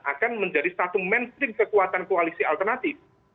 akan menjadi satu mainstream kekuatan koalisi alternatif